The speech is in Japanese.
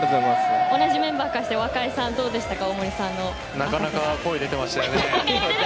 同じメンバーとしてなかなか声出てましたよね。